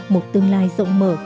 một tương lai rộng mở